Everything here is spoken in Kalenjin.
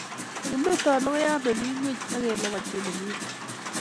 Makimetoi logoiyat ne mi ngweny ak kelabatyi ne mi barak